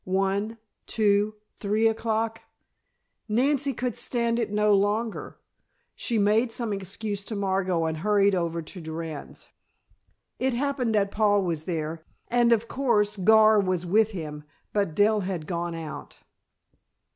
One, two, three o'clock! Nancy could stand it no longer. She made some excuse to Margot and hurried over to Durand's. It happened that Paul was there, and, of course, Gar was with him; but Dell had gone out.